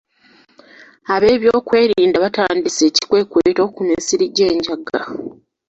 Abeebyokwerinda baatandise ekikwekweto ku misiri gy'enjaga.